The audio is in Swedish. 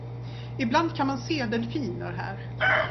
Ibland kan man se delfiner här.